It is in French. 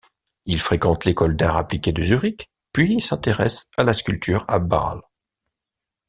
Il fréquente l’école d'arts appliqués de Zurich, puis s’intéresse à la sculpture à Bâle.